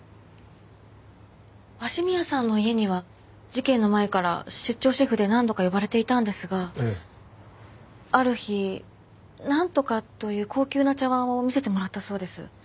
鷲宮さんの家には事件の前から出張シェフで何度か呼ばれていたんですがある日なんとかという高級な茶碗を見せてもらったそうです。